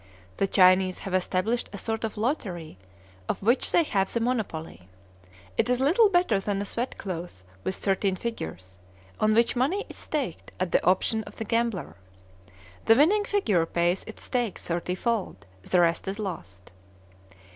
The Chinese have established a sort of "lottery," of which they have the monopoly. It is little better than a "sweat cloth," with thirteen figures, on which money is staked at the option of the gambler. The winning figure pays its stake thirty fold, the rest is lost.